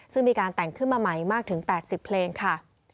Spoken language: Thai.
ซึ่งมีการแต่งขึ้นมาใหม่มากถึง๘๐เพลงค่ะ